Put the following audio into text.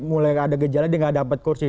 mulai ada gejala dia gak dapat kursi